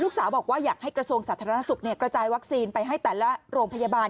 สาวบอกว่าอยากให้กระทรวงสาธารณสุขกระจายวัคซีนไปให้แต่ละโรงพยาบาล